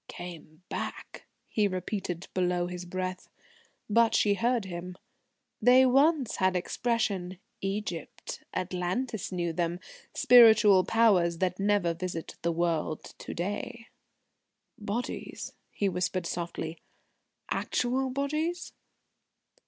"Came back!" he repeated below his breath. But she heard him. "They once had expression. Egypt, Atlantis knew them spiritual Powers that never visit the world to day." "Bodies," he whispered softly, "actual bodies?"